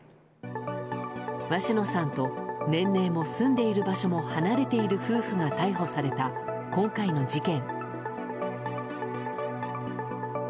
鷲野さんと年齢も住んでいる場所も離れている夫婦が逮捕された今回の事件。